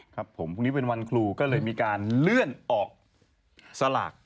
ครับผมพรุ่งนี้เป็นวันครูก็เลยมีการเลื่อนออกสลาก